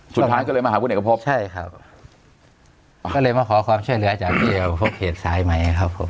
สุดท้ายก็เลยมาหาคุณเอกพบใช่ครับอ๋อก็เลยมาขอความช่วยเหลือจากเขตสายไหมครับผม